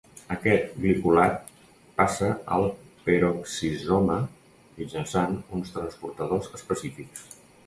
Aquest glicolat passa al peroxisoma mitjançant uns transportadors específics.